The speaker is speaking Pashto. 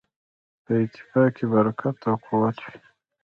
په اتفاق کې برکت او قوت وي.